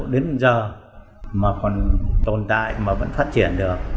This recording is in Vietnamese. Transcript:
đến giờ mà còn tồn tại mà vẫn phát triển được